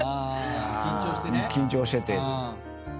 緊張してね。